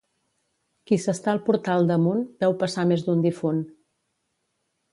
Qui s'està al portal d'Amunt, veu passar més d'un difunt.